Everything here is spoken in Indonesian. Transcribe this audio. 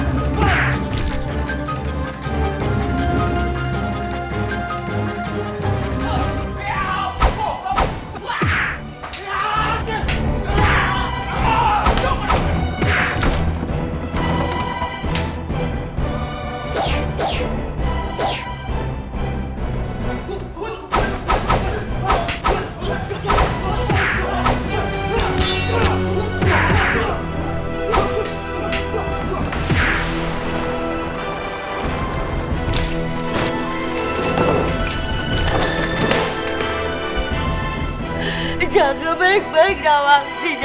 ger berik berik gawah